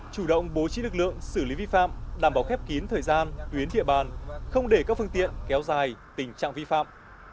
chủ động bố trí lực lượng xử lý vi phạm đảm bảo khép kín thời gian tuyến địa bàn không để các phương tiện kéo dài tình trạng vi phạm